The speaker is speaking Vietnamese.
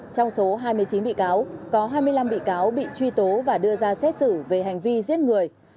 trong số hai mươi chín bị cáo có hai mươi năm bị cáo bị truy tố và đưa ra xét xử về hành vi giết người